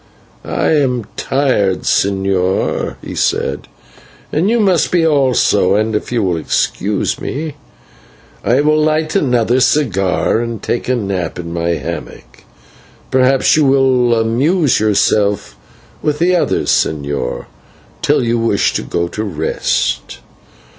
"I am tired, señor," he said, "as you must be also, and, if you will excuse me, I will light another cigar and take a nap in my hammock. Perhaps you will amuse yourself with the others, señor, till you wish to go to rest."